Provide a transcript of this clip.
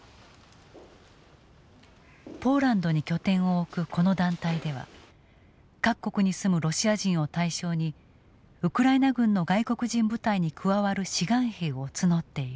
ポーランドに拠点を置くこの団体では各国に住むロシア人を対象にウクライナ軍の外国人部隊に加わる志願兵を募っている。